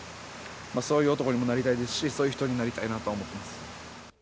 そういう男にもなりたいですし、そういう人になりたいなと思っています。